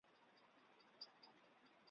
在弗内斯半岛的巴罗市建造。